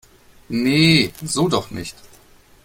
Nee, so doch nicht!